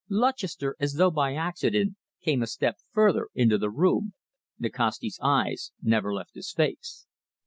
Lutchester, as though by accident, came a step further into the room. Nikasti's eyes never left his face.